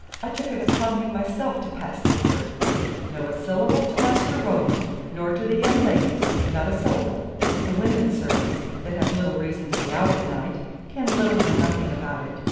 I took it upon me mysel to pass the word, 'No a syllable to Maister Roland, nor to the young leddies no a syllable.' The women servants, that have little reason to be out at night, ken little or nothing about it.